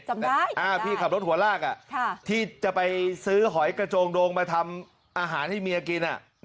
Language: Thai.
พี่ขับรถหัวลากที่จะไปซื้อหอยกระโจงโดงมาทำอาหารให้เมียกิน